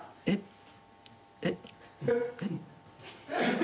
えっ？